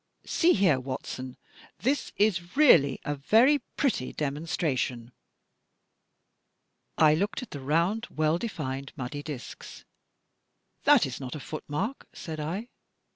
See here, Watson! This is really a very pretty demonstration." I looked at the rotmd, well defined muddy discs. "That is not a footmark," said I.